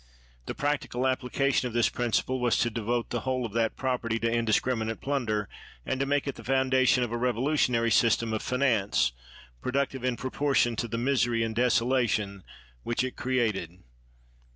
The practical application of this principle was to devote the whole of that property to indiscrim inate plunder, and to make it the foundation of a revolutionary system of finance, productive in proportion to ihe misery and desolation which it created.